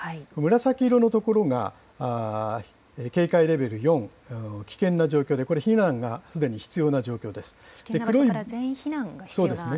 紫色の所が警戒レベル４、危険な状況で、これ避難がすでに必要な全員避難が必要な状況ですね。